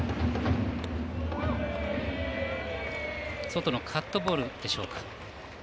外のカットボールでしょうか。